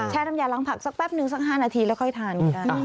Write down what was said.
น้ำยาล้างผักสักแป๊บนึงสัก๕นาทีแล้วค่อยทานเหมือนกัน